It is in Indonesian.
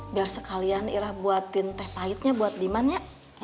biar sekalian ira buatin teh pahitnya buat diman ya